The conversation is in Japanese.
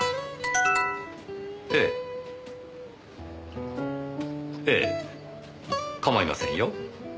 ええええ構いませんよ。